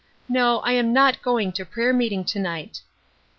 No, I am not going to prayer meeting to night."